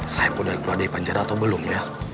saya sudah keluar dari penjara atau belum ya